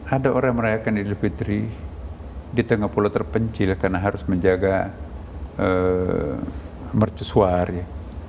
ada orang merayakan idul fitri di tengah pulau terpencil karena harus menjaga mercusua hari